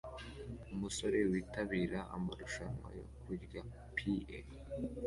Umusore witabira amarushanwa yo kurya pie